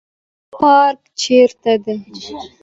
پارک چیرته دی؟